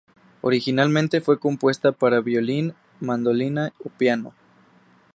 Originalmente fue compuesta para violín, mandolina o piano.